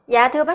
dạ thưa bác